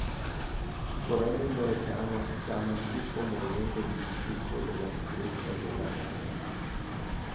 Il governo indonesiano chiama il gruppo Movimento di disturbo della sicurezza dell'Aceh.